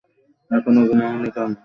এখনো ঘুমাওনি কেন?